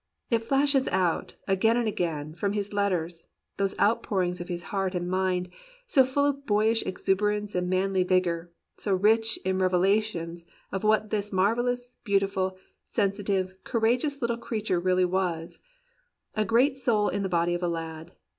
It flashes out, again and again, from his letters, those outpourings of his heart and mind, so full of boyish exuberance and manly vigour, so rich in revelations of what this mar vellous, beautiful, sensitive, courageous little crea ture really was, — a great soul in the body of a lad.